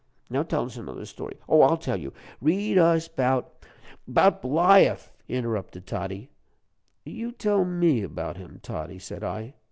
Now tell us another story oh, I'll tell you read us 'bout " "'Bout Bliaff," interrupted Toddie. "You tell me about him, Toddie," said I.